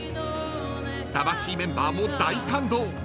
［魂メンバーも大感動］